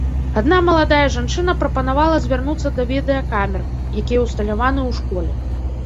Адна маладая жанчына прапанавала звярнуцца да відэакамер, якія ўсталяваны ў школе.